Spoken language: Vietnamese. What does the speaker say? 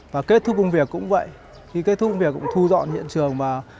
và kết thúc công việc cũng vậy khi kết thúc công việc cũng thu dọn hiện trường